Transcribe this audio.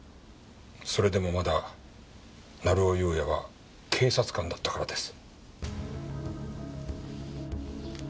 それでもまだ成尾優也は警察官だったからです。